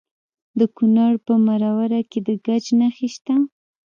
د کونړ په مروره کې د ګچ نښې شته.